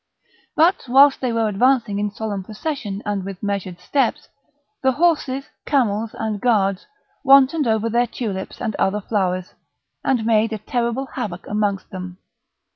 But, whilst they were advancing in solemn procession and with measured steps, the horses, camels, and guards wantoned over their tulips and other flowers, and made a terrible havoc amongst them.